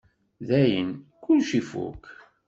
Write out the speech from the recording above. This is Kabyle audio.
Dayen, kullec ifuk.